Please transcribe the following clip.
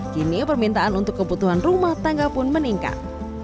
kini permintaan untuk kebutuhan rumah tangga pun meningkat